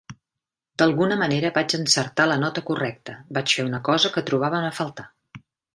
D'alguna manera vaig encertar la nota correcta, vaig fer una cosa que trobaven a faltar.